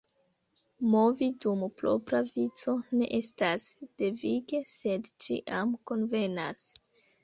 Movi dum propra vico ne estas devige, sed ĉiam konvenas.